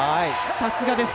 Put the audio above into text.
さすがです。